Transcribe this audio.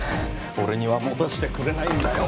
俺には持たせてくれないんだよ